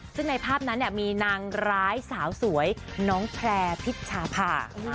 ซึ่งในภาพนั้นมีนางร้ายสาวสวยน้องแพร่พิชชาพา